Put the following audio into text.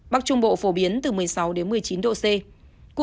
bắc trung bộ phổ biến từ một mươi sáu đến một mươi chín độ c